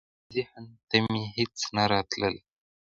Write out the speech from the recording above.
ذهن ته مي هیڅ نه راتلل .